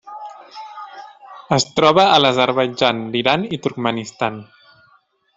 Es troba a l'Azerbaidjan, l'Iran i Turkmenistan.